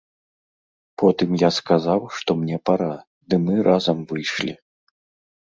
Потым я сказаў, што мне пара, ды мы разам выйшлі.